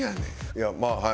いやまあはい。